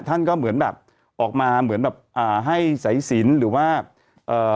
ท่านก็เหมือนแบบออกมาเหมือนแบบอ่าให้สายสินหรือว่าเอ่อ